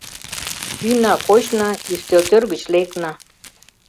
Йӱна, кочна, ӱстелтӧр гыч лекна.